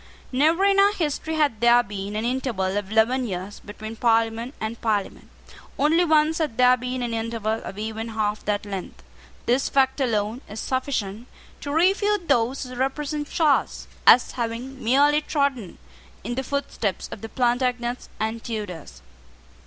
Never in our history had there been an interval of eleven years between Parliament and Parliament. Only once had there been an interval of even half that length. This fact alone is sufficient to refute those who represent Charles as having merely trodden in the footsteps of the Plantagenets and Tudors.